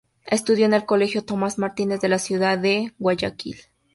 Estudió en el colegio Tomás Martínez de la ciudad de Guayaquil.